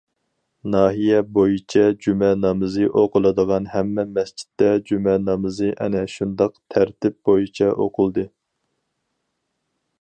ناھىيە بويىچە جۈمە نامىزى ئوقۇلىدىغان ھەممە مەسچىتتە جۈمە نامىزى ئەنە شۇنداق تەرتىپ بويىچە ئوقۇلدى.